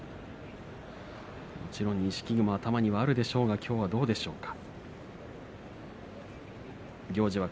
錦木も頭にはあるでしょうがきょうはどうでしょうか。